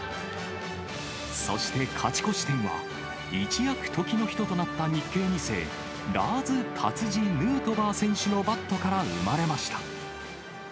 そして勝ち越し点は、一躍、時の人となった日系２世、ラーズ・タツジ・ヌートバー選手のバットから生まれました。